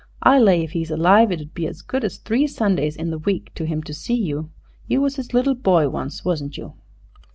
"I lay if he's alive it 'ud be as good as three Sundays in the week to him to see you. You was his little boy once, wasn't you?"